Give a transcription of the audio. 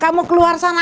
kamu keluar sana